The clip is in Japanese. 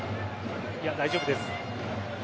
いや大丈夫です。